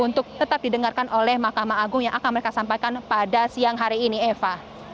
dan juga yang akan didengarkan oleh mahkamah agung yang akan mereka sampaikan pada siang hari ini eva